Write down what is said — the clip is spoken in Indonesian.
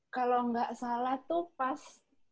kalau gak salah tuh pas